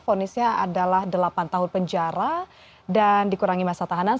fonisnya adalah delapan tahun penjara dan dikurangi masa tahanan